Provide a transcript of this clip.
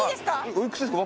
おいくつですか？